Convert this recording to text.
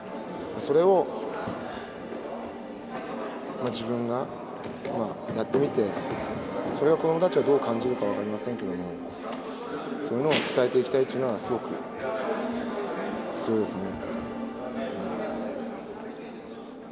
それを自分がやってみてそれを子供たちがどう感じるか分かりませんけどもそういうのを伝えていきたいというのはすごく強いですね。